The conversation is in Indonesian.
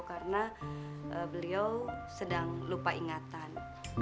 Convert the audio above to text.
karena beliau sedang lupa ingatan